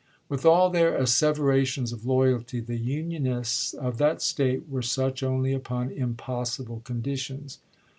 With all their asseverations of loyalty, the Unionists of that State were such only upon impossible conditions.